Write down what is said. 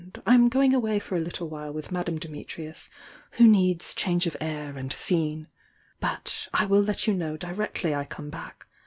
"I'm going away for a little while with Ma dame Dimitrius, who needs change of air and scene, but I will let you know directly I come back.